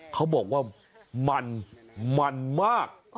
เขาบอกว่ามันมันมาก